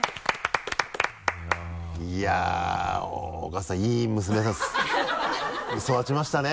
いやっお母さんいい娘さんに育ちましたね。